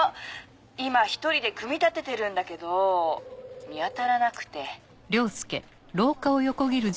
今１人で組み立ててるんだけど見当たらなくて。